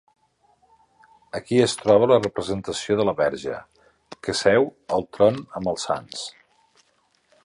Aquí es troba la representació de la Verge, que seu al tron amb els sants.